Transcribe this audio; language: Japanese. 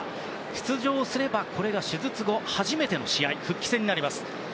出場すればこれが手術後初めての試合復帰戦になります。